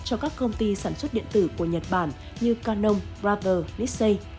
cho các công ty sản xuất điện tử của nhật bản như canon bravo nisei